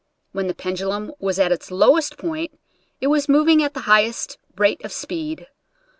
When the pen dulum was at its lowest point it was moving at the highest rate of speed.